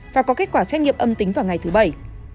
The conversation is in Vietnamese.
và có kết quả xét nghiệm âm tính vào ngày thứ bảy